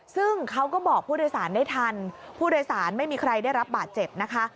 ซึ่งเขาก็บอกผู้โดยสารได้ทันผู้โดยสารไม่มีใครได้รับบาดเจ็บนะคะ